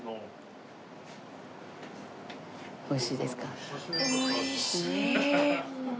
美味しいですか？